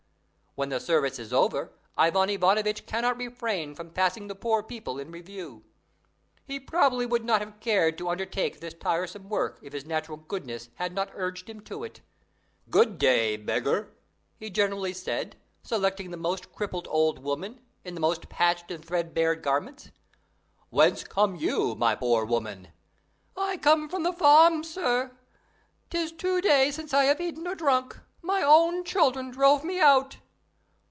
When the service is over, Ivan Ivanovitch cannot refrain from passing the poor people in review. He probably would not have cared to undertake this tiresome work if his natural goodness had not urged him to it. "Good day, beggar!" he generally said, selecting the most crippled old woman, in the most patched and threadbare garments. "Whence come you, my poor woman?" "I come from the farm, sir. 'Tis two days since I have eaten or drunk: my own children drove me out."